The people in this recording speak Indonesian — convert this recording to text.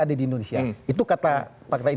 ada di indonesia itu kata pakta integritas